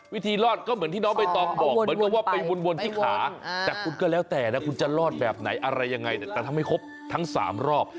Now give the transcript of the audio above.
วิธีรอดก็เหมือนที่น้องใบตองบอกเหมือนกับว่าไปวนที่ขาแต่คุณก็แล้วแต่นะคุณจะรอดแบบไหนอะไรยังไงแต่ทำให้ครบทั้ง๓รอบ